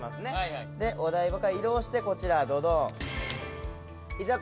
でお台場から移動してこちらドドン。